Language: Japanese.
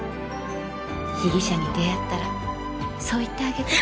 被疑者に出会ったらそう言ってあげて。